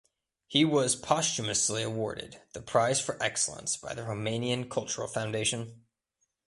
He was posthumously awarded the Prize for Excellence by the Romanian Cultural Foundation.